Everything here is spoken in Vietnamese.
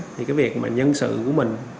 thì cái việc mà nhân sự của mình